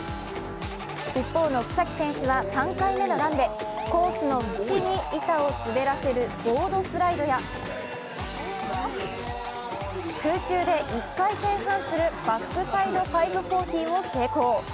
一方の草木選手は３回目のランでコースの縁に板を滑らせるボードスライドや空中で１回転半するバックサイド５４０を成功。